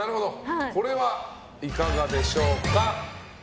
これはいかがでしょう？